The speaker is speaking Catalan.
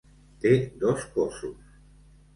Té dos cossos.